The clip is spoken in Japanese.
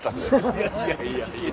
いやいやいやいや。